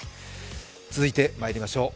続いてまいりましょう。